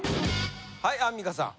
はいアンミカさん。